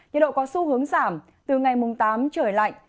nhiệt độ có xu hướng giảm từ ngày mùng tám trời lạnh